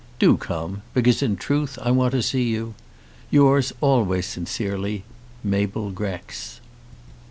Do come, because in truth I want to see you. Yours always sincerely, MABEL GREX.